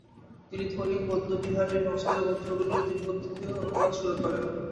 তিনি থোলিং বৌদ্ধবিহারে সংস্কৃত গ্রন্থগুলির তিব্বতীতে অনুবাদ শুরু করেন।